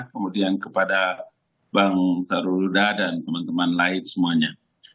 kemudian kepada bang tarulda dan teman teman lain semuanya